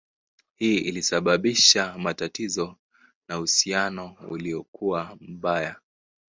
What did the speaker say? Hii ilisababisha matatizo na uhusiano ulikuwa mbaya.